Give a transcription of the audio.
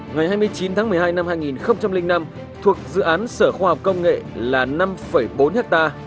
ngày hai mươi chín tháng một mươi hai năm hai nghìn năm thuộc dự án sở khoa học công nghệ là năm bốn ha